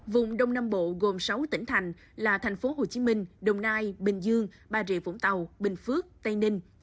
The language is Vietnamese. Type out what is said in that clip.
vùng đông nam bộ gồm sáu tỉnh thành là thành phố hồ chí minh đồng nai bình dương bà rịa vũng tàu bình phước tây ninh